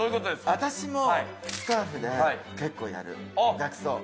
私もスカーフで結構やる額装。